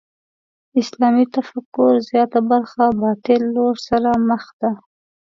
اسلامي تفکر زیاته برخه باطل دور سره مخ ده.